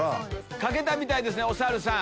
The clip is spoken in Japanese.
描けたみたいですお猿さん